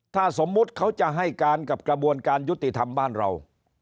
ถ้าสมมุติเขาจะให้การกับกระบวนการยุติธรรมบ้านเรา